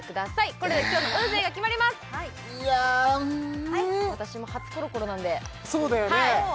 これで今日の運勢が決まりますいやうん私も初コロコロなんでそうだよね